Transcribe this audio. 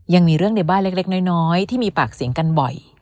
ยังมีเรื่องในบ้านเล็กน้อยที่มีปากเสียงกันบ่อย